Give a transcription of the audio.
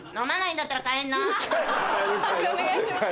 判定お願いします。